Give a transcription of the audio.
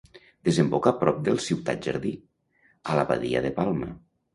Desemboca prop del Ciutat Jardí, a la badia de Palma.